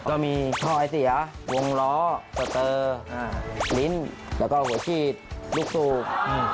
ก็มีท่อไอเสียวงล้อสเตอร์มิ้นแล้วก็หัวขีดลูกสูบ